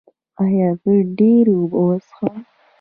ایا زه ډیرې اوبه وڅښم؟